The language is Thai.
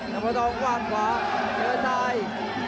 แล้วพอทองกว้างขวาเดี๋ยวทราย